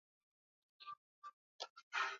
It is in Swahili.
Karibu tule leo, siku zimekuwa ndefu